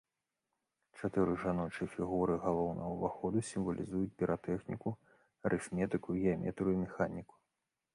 Чатыры жаночыя фігуры галоўнага ўваходу сімвалізуюць піратэхніку, арыфметыку, геаметрыю і механіку.